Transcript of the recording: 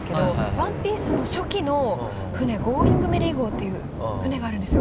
「ＯＮＥＰＩＥＣＥ」の初期の船ゴーイング・メリー号っていう船があるんですよ。